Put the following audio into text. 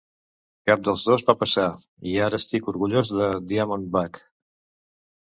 Cap dels dos va passar, i ara estic orgullós de Diamondback.